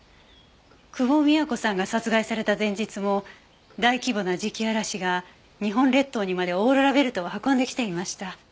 久保美也子さんが殺害された前日も大規模な磁気嵐が日本列島にまでオーロラベルトを運んできていました。